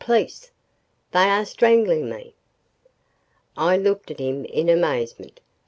Police! They are strangling me!" I looked at him in amazement.